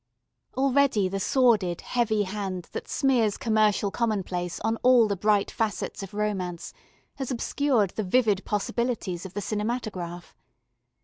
Already the sordid, heavy hand that smears commercial commonplace on all the bright facets of romance has obscured the vivid possibilities of the cinematograph.